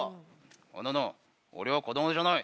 あのな俺は子どもじゃない！